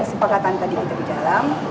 ya jadi sepakat tadi kita di dalam